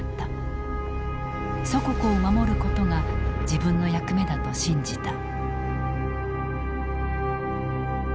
祖国を守ることが自分の役目だと信じた。